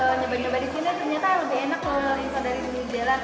terus nyoba nyoba disini ternyata lebih enak kalau dari new zealand